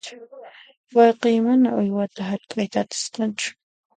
Wayqiy mana uywata hark'ayta atisqachu.